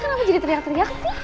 kenapa jadi teriak teriak